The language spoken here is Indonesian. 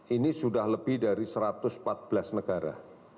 ini sudah lebih dari satu ratus empat belas negara